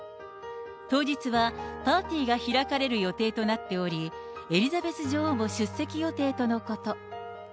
当日はパーティーが開かれる予定となっており、エリザベス女王も出席予定とのこと。